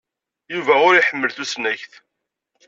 Yuba ur iḥemmel tusnakt.